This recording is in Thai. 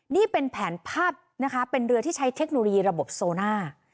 นี่เป็นแผนภาพนะคะเป็นเรือที่ใช้เทคโนโลยีระบบโซน่า